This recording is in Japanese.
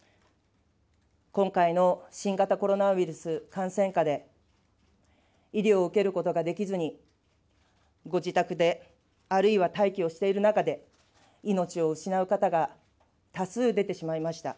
今回の新型コロナウイルス感染下で、医療を受けることができずに、ご自宅で、あるいは待機をしている中で、命を失う方が多数出てしまいました。